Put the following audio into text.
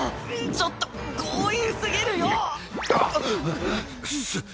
ちょっと強引すぎるよ！あっ。